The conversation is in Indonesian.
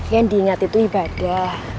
yang diinget itu ibadah